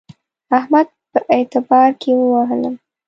احمد په اعتبار کې ووهلم.